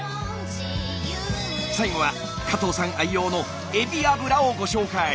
最後は加藤さん愛用のエビ油をご紹介。